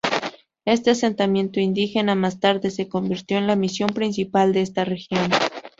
Este asentamiento indígena más tarde se convirtió en la misión principal de esta región.